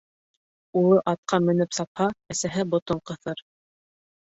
Улы атҡа менеп сапһа, әсәһе ботон ҡыҫыр.